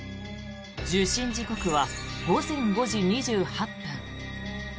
受信時刻は午前５時２８分。